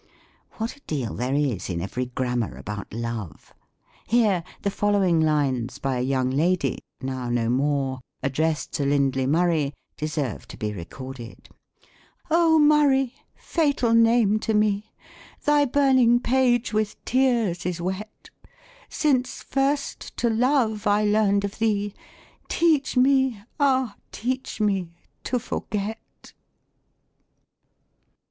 What a deal there is in every Grammar about love ! Here the following Lines, by a Young Lady, (now no more,) addressed to Lindley Murray, deserve to be re corded :—" Oh, Murray ! fatal name to me. Thy burning page with tears is wet , Since first 'to love' I learned of thee. Teach me, ah ! teach me ' to forget